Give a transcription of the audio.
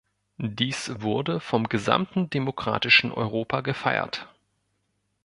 Dies wurde vom gesamten demokratischen Europa gefeiert.